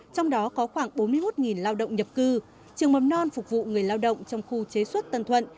trong đó có khoảng bốn mươi một lao động nhập cư trường mầm non phục vụ người lao động trong khu chế xuất tân thuận